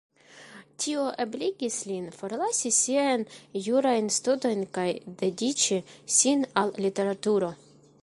Tio ebligis lin forlasi siajn jurajn studojn kaj dediĉi sin al literaturo.